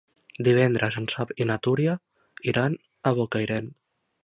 Divendres en Sam i na Tura iran a Bocairent.